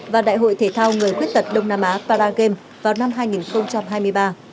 và đại hội thể thao người khuyết tật đông nam á paragame vào năm hai nghìn hai mươi ba